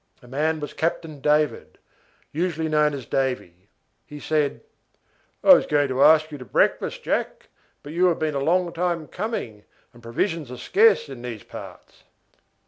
The man was Captain David, usually known as Davy. He said: "I am going to ask you to breakfast, Jack; but you have been a long time coming, and provisions are scarce in these parts."